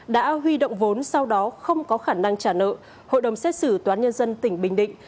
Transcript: đã huy động vốn sau đó không có khả năng trả nợ hội đồng xét xử toán nhân dân tỉnh bình định